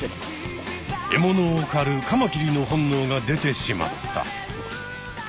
獲物をかるカマキリの本能が出てしまった。